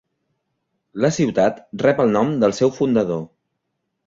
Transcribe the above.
La ciutat rep el nom del seu fundador.